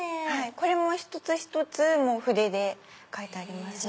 これも一つ一つ筆で描いてありますね。